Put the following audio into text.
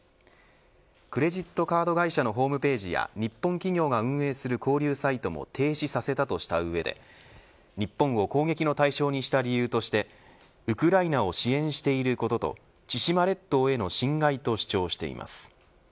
クレジットカード会社のホームページや日本企業が運営する交流サイトも停止させたとした上で日本を攻撃の対象にした理由としてウクライナを支援していることと千島列島への侵害と主張しています。